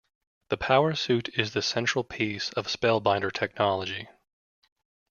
The power suit is the central piece of Spellbinder technology.